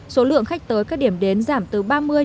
số lượng khách tới các điểm đến giảm từ ba mươi năm mươi